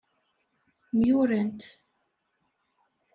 Myurant.